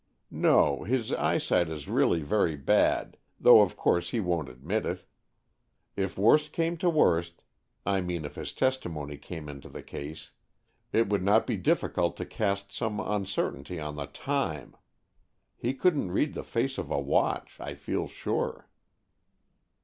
"No, his eyesight is really very bad, though of course he won't admit it. If worst came to worst, I mean if his testimony came into the case, it would not be difficult to cast some uncertainty on the time. He couldn't read the face of a watch, I feel sure."